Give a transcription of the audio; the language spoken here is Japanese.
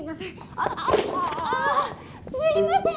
あすいません！